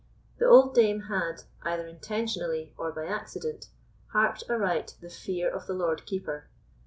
The old dame had, either intentionally or by accident, harped aright the fear of the Lord Keeper.